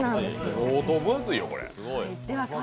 相当分厚いよ、これ。